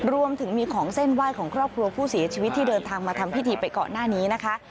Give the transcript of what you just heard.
รวมถึงมีของเส้นไหว้ของครอบครัวผู้เสียชีวิตที่เดินทางมาทำพิธีไปก่อนหน้านี้นะคะ